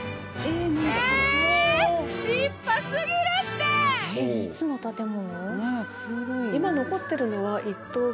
いつの建物？